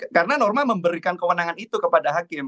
karena norma memberikan kewenangan itu kepada hakim